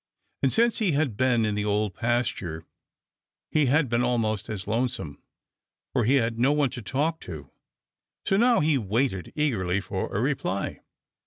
And since he had been in the Old Pasture he had been almost as lonesome, for he had had no one to talk to. So now he waited eagerly for a reply.